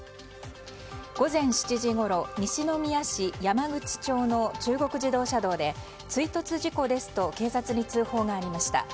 午前７時ごろ西宮市山口町の中国自動車道で追突事故ですと警察に通報がありました。